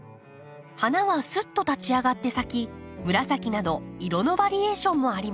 花はすっと立ち上がって咲き紫など色のバリエーションもあります。